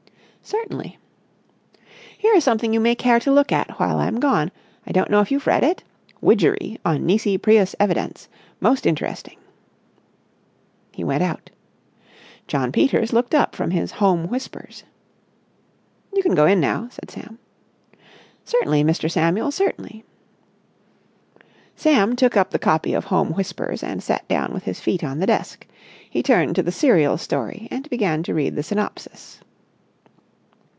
"Certainly." "Here is something you may care to look at while I'm gone. I don't know if you have read it? Widgery on Nisi Prius Evidence. Most interesting." He went out. Jno. Peters looked up from his Home Whispers. "You can go in now," said Sam. "Certainly, Mr. Samuel, certainly." Sam took up the copy of Home Whispers and sat down with his feet on the desk. He turned to the serial story and began to read the synopsis.